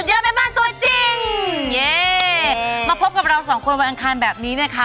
เย้มาพบกับเราสองคนวันอังคารแบบนี้นะคะ